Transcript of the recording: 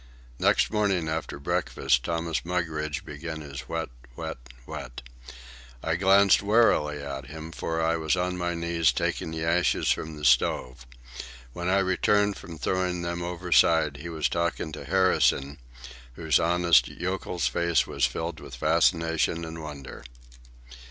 Next morning, after breakfast, Thomas Mugridge began his whet, whet, whet. I glanced warily at him, for I was on my knees taking the ashes from the stove. When I returned from throwing them overside, he was talking to Harrison, whose honest yokel's face was filled with fascination and wonder.